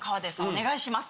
お願いします。